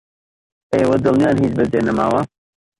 ئێوە دڵنیان هیچ بەجێ نەماوە؟